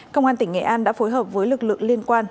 công an tỉnh nghệ an đã phối hợp với lực lượng liên quan